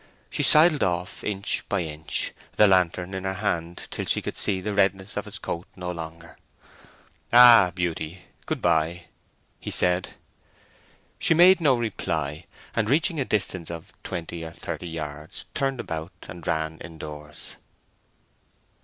She sidled off inch by inch, the lantern in her hand, till she could see the redness of his coat no longer. "Ah, Beauty; good bye!" he said. She made no reply, and, reaching a distance of twenty or thirty yards, turned about, and ran indoors.